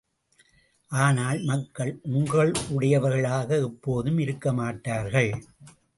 ஆனால், மக்கள் உங்களுடையவர்களாக எப்போதும் இருக்கமாட்டார்கள்!